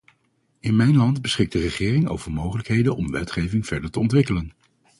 In mijn land beschikt de regering over mogelijkheden om wetgeving verder te ontwikkelen.